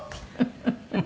「フフフフ。